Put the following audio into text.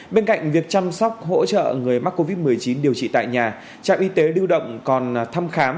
bên cạnh việc chăm sóc hỗ trợ người mắc covid một mươi chín điều trị tại nhà trạm y tế lưu động còn thăm khám